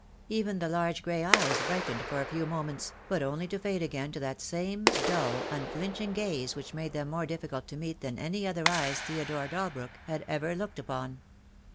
Even the large grey eyes brightened for a few moments, but only to fade again to that same dull, unflinching gaze which made them more difficult to meet than any other eyes Theodore Dalbrook had ever looked upon.